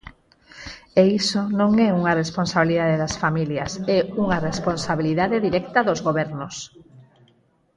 E iso non é unha responsabilidade das familias, é unha responsabilidade directa dos gobernos.